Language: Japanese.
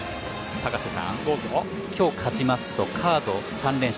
高瀬さん、今日勝ちますとカード３連勝